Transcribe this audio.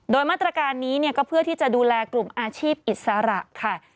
โดยมาตรการนี้ก็เพื่อที่จะดูแลกลุ่มอาชีพอิสระค่ะ